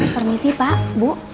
permisi pak bu